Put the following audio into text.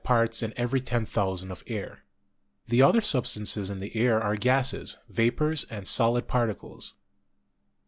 5 parts in every 10,000 of air. The other substances in the air are gases, vapors and solid particles.